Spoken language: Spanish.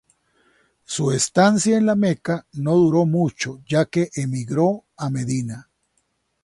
Su estancia en la Meca no duró mucho ya que emigró a Medina.